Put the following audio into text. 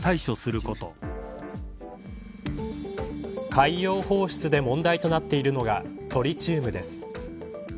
海洋放出で問題となっているのがトリチウムです。